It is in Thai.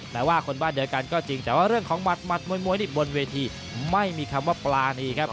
แต่ว่าคนบ้านเดียวกันก็จริงแต่ว่าเรื่องของหัดมวยนี่บนเวทีไม่มีคำว่าปลานีครับ